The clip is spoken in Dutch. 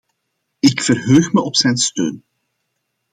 Ik verheug me op zijn steun.